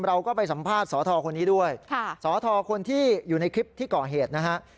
เราก็ไปสัมภาษณ์สอทคนนี้ด้วยสอทคนที่อยู่ในคลิปที่ก่อเหตุนะฮะ